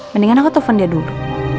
mendingan aku telepon dia dulu